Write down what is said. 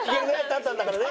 「たんたん」だからね。